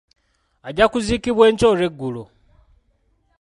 Ajja kuziikibwa enkya olweggulo.